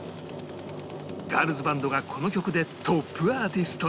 ガールズバンドがこの曲でトップアーティストに